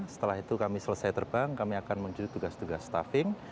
setelah itu kami selesai terbang kami akan mencuri tugas tugas staffing